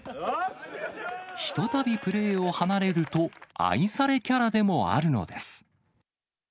ひとたびプレーを離れると、愛されキャラでもあるのです。